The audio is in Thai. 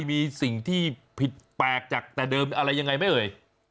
มีสิ่งที่ผิดแปลกจากแต่เดิมอะไรยังไงไหมเอ่ย